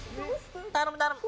頼む頼む。